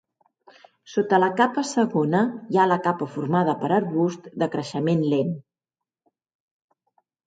Sota la capa segona hi ha la capa formada per arbusts de creixement lent.